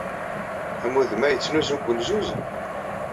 Amudem-a yettnuzu deg wulzuz?